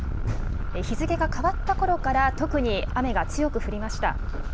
日付が変わったころから特に雨が強く降りました。